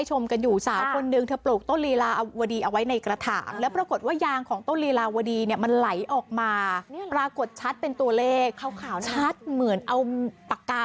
ชัดมากเลยนะคะไม่มีใครเขียนนะคะอันนี้คือยางเขาแล้วออกมาแล้วเป็นตัวเลขเองนะคะ